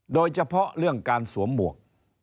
โดยเฉพาะเรื่องการสวมหมวก